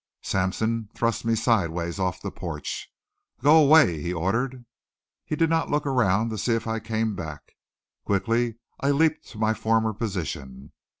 Sampson thrust me sidewise off the porch. "Go away," he ordered. He did not look around to see if I came back. Quickly I leaped to my former position.